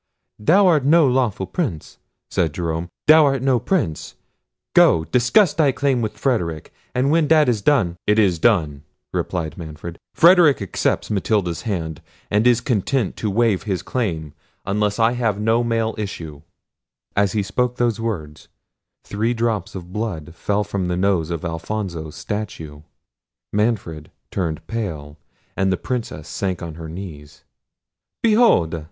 "Thou art no lawful Prince," said Jerome; "thou art no Prince—go, discuss thy claim with Frederic; and when that is done—" "It is done," replied Manfred; "Frederic accepts Matilda's hand, and is content to waive his claim, unless I have no male issue"—as he spoke those words three drops of blood fell from the nose of Alfonso's statue. Manfred turned pale, and the Princess sank on her knees. "Behold!"